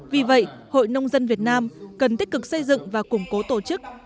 vì vậy hội nông dân việt nam cần tích cực xây dựng và củng cố tổ chức